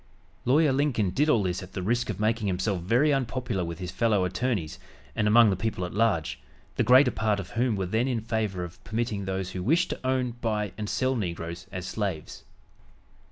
Lawyer Lincoln did all this at the risk of making himself very unpopular with his fellow attorneys and among the people at large, the greater part of whom were then in favor of permitting those who wished to own, buy and sell negroes as slaves.